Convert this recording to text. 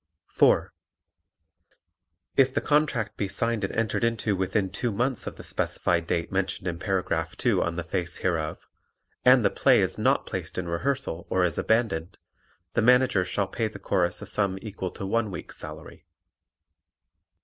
(4) If the contract be signed and entered into within two months of the specific date mentioned in paragraph 2 on the face hereof and the play is not placed in rehearsal or is abandoned, the Manager shall pay the Chorus a sum equal to one week's salary.